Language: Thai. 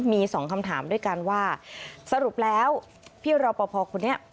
มีสองคำถามด้วยกันว่าสรุปแล้วพี่รอปภคนนี้